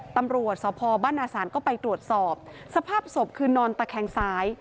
ตำรวจสพบ้านนาศาลก็ไปตรวจสอบสภาพศพคือนอนตะแคงซ้าย